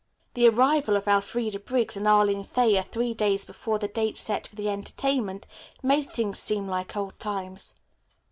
The arrival of Elfreda Briggs and Arline Thayer three days before the date set for the entertainment made things seem like old times.